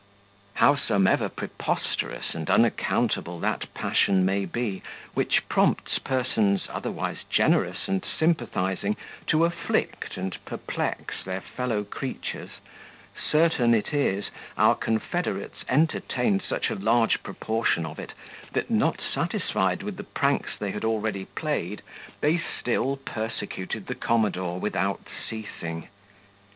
Howsomever preposterous and unaccountable that passion may be which prompts persons, otherwise generous and sympathizing, to afflict and perplex their fellow creatures, certain it is, our confederates entertained such a large proportion of it, that not satisfied with the pranks they had already played, they still persecuted the commodore without ceasing.